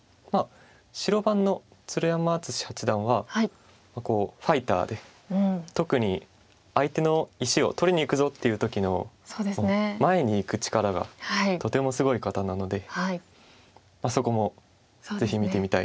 白番の鶴山淳志八段はファイターで特に相手の石を取りにいくぞっていう時の前にいく力がとてもすごい方なのでそこもぜひ見てみたい。